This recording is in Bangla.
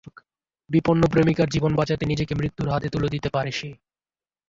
বিপন্ন প্রেমিকার জীবন বাঁচাতে নিজেকে মৃত্যুর হাতে তুলে দিতে পারে সে।